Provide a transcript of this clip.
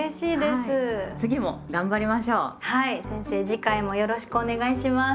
次回もよろしくお願いします。